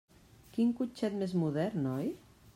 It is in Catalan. Quin cotxet més modern, oi?